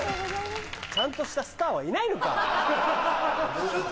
ちゃんとしたスターはいないのか！